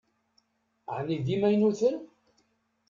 Ɛni d imaynuten?